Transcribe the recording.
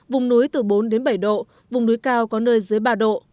vùng núi từ bốn đến bảy độ vùng núi cao có nơi dưới ba độ